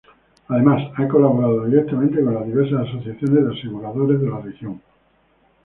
Además, ha colaborado directamente con las diversas asociaciones de aseguradores de la región.